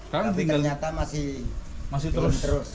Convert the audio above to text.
tapi ternyata masih terus